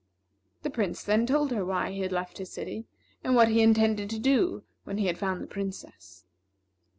The Prince then told her why he had left his city, and what he intended to do when he had found the Princess.